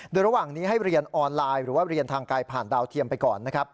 โดยระหว่างนี้ให้เรียนออนไลน์หรือว่าเรียนทางไกลผ่านดาวเทียมไปก่อนนะครับ